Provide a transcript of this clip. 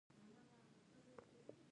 ایا زه بل کال راشم؟